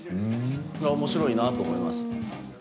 これはおもしろいなと思います。